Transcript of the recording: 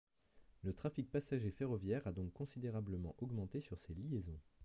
Le trafic passagers ferroviaire a donc considérablement augmenté sur ces liaisons.